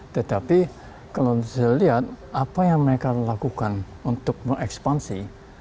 tetapi kalau saya lihat apa yang mereka lakukan untuk mengekspansi